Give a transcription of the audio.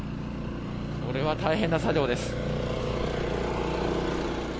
これは大変な作業です。